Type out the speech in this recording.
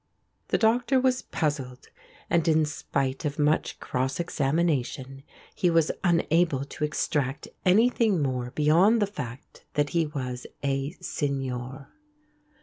The Doctor was puzzled, and in spite of much cross examination he was unable to extract anything more beyond the fact that he was a "Signore."